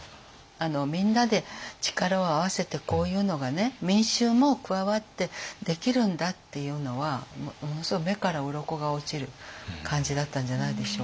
みんなで力を合わせてこういうのがね民衆も加わってできるんだっていうのはものすごい目からうろこが落ちる感じだったんじゃないでしょうか。